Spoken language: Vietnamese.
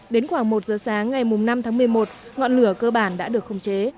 đến khoảng một giờ sáng ngày năm tháng một mươi một ngọn lửa cơ bản đã được khống chế